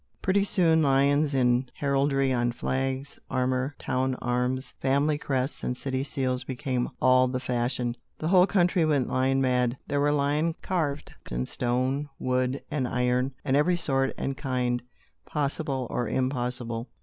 Pretty soon lions in heraldry, on flags, armor, town arms, family crests and city seals became all the fashion. The whole country went lion mad. There were lions carved in stone, wood and iron, and every sort and kind, possible or impossible.